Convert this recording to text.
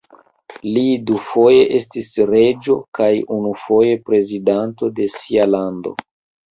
Li dufoje estis reĝo kaj unufoje prezidanto de sia lando.